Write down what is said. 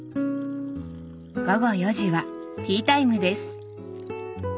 午後４時はティータイムです。